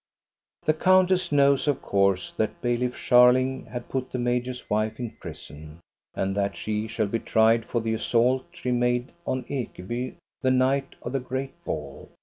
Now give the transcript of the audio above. The countess knows of course that Bailiff Scharling had put the major's wife in prison, and that she shall be tried for the assault she made on Ekeby the night of the great ball.